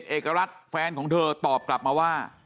เอกรัฐแฟนของเธอตอบกลับมาว่า